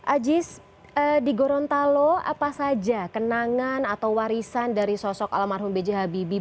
ajis di gorontalo apa saja kenangan atau warisan dari sosok almarhum b j habibie